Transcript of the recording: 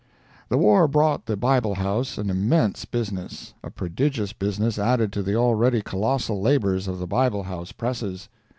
The war brought the Bible House an immense business—a prodigious business added to the already colossal labors of the Bible House presses.